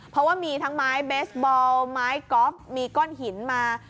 เพราะว่ามีทั้งไม้เบสบอลไม้ก๊อฟมีก้อนหินมา